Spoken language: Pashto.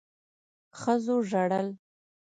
ښځو ژړل.